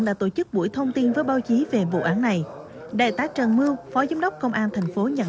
là tổ chức buổi thông tin với báo chí về vụ án này đại tá trần mưu phó giám đốc công an thành phố nhận